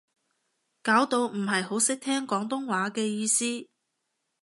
搞到唔係好識聽廣東話嘅意思